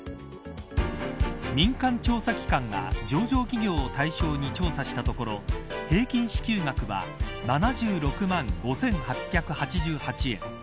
民間調査機関が上場企業を対象に調査したところ平均支給額は７６万５８８８円。